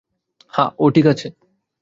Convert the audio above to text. হ্যাঁ, ও ঠিক আছে।